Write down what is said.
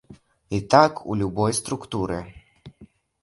І так у любой структуры.